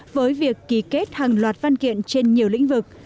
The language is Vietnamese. với việc ký kết hàng loạt văn kiện trên nhiều lĩnh vực